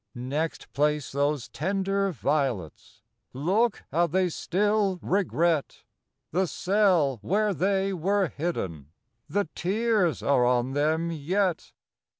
Next place those tender violets, Look how they still regret The cell where they were hidden, — The tears are on them yet.